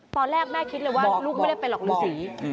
ตอนแรกแม่คิดเลยว่าลูกไม่ได้เป็นหรอกฤษี